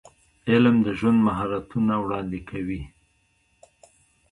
علم د ژوند مهارتونه وړاندې کوي.